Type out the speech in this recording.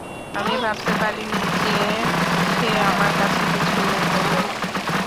আমি ভাবতে পারিনি যে, সে আমার কাছে কিছু লুকোবে।